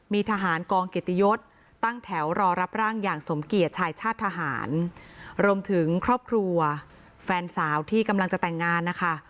มีทหารกองเกียรติยศตั้งแถวรอรับร่างอย่างสมเกียจชายชาติทหารรวมถึงครอบครัวแฟนสาวที่กำลังจะแต่งงานนะคะ